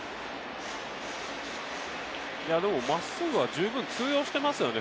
まっすぐは十分通用していますよね。